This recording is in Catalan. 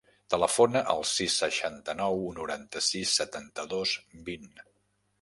Telefona al sis, seixanta-nou, noranta-sis, setanta-dos, vint.